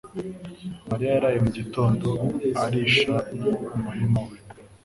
mariya yaraye mugitondo arisha umurima we